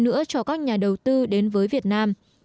nữa cho các nhà đầu tư đến với việt nam